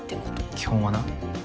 基本はな。